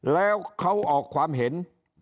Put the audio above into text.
แล้วเขาออกความเห็น